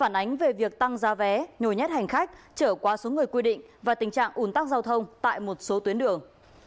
qua vé nhồi nhét hành khách trở qua số người quy định và tình trạng ủn tắc giao thông tại một số tuyến đường